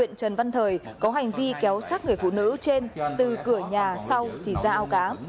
trần nhật tuấn văn thời có hành vi kéo sát người phụ nữ trên từ cửa nhà sau thì ra ao cá